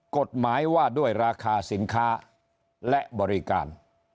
กฎหมายว่าด้วยราคาสินค้าและบริการ